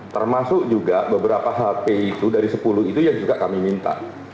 termasuk juga beberapa hp itu dari sepuluh itu yang juga kami minta